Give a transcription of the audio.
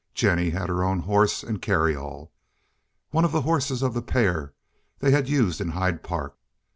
Jennie had her own horse and carryall—one of the horses of the pair they had used in Hyde Park.